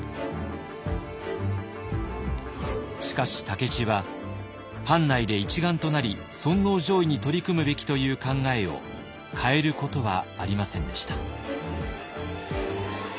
しかし武市は藩内で一丸となり尊皇攘夷に取り組むべきという考えを変えることはありませんでした。